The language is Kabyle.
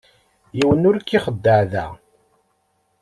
Yiwen ur k-ixeddeε da.